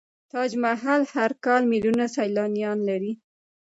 تاج محل هر کال میلیونونه سیلانیان لري.